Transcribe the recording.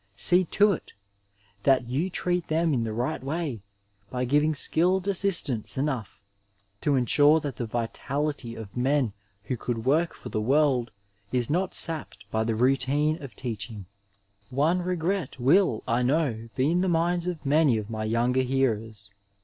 See to it that you treat them in the right way by giving skilled assistance enough to ensure that the vitality of men who could work for the world is not sapped by the routine of teaching. One regret will, I know, be in the minds of many of my younger hearers.